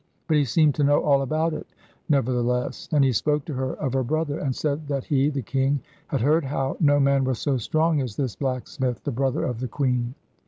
But he seemed to know all about it, nevertheless, and he spoke to her of her brother, and said that he, the king, had heard how no man was so strong as this blacksmith, the brother of the queen.